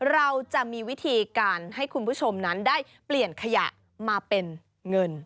เราจะมีวิธีการให้คุณผู้ชมนั้นได้เปลี่ยนขยะมาเป็นเงิน